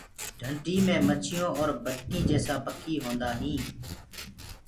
ڍنڊي مي مڇيونٚ اور بدڪينٚ جيسآ پکي هوندآ هينٚ۔